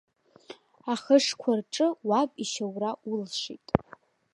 Ахышқәа рҿы уаб ишьаура улшеит!